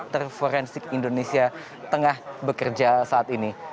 dokter forensik indonesia tengah bekerja saat ini